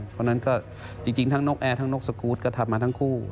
เพราะฉะนั้นก็จริงทั้งนกแอร์ทั้งนกสกูธก็ทำมาทั้งคู่